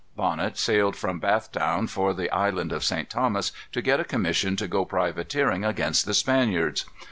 Bonnet sailed from Bathtown for the Island of St. Thomas, to get a commission to go privateering against the Spaniards.